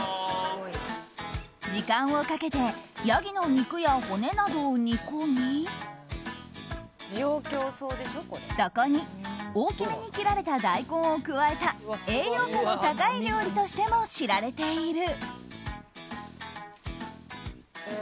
時間をかけてヤギの肉や骨などを煮込みそこに大きめに切られた大根を加えた栄養価の高い料理としても知られている。